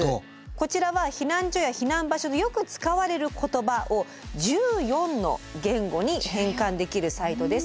こちらは避難所や避難場所でよく使われる言葉を１４の言語に変換できるサイトです。